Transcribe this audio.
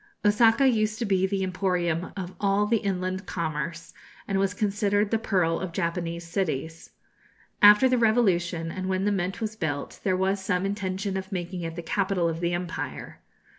Osaka used to be the emporium of all the inland commerce, and was considered the pearl of Japanese cities. After the revolution, and when the Mint was built, there was some intention of making it the capital of the empire.